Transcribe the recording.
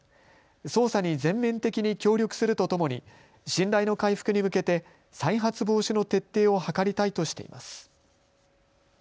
捜査に全面的に協力するとともに信頼の回復に向けて再発防止の徹底を図りたいとしています。